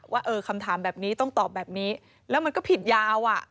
ว่าเออคำถามแบบนี้ต้องตอบแบบนี้แล้วมันก็ผิดยาวอ่ะ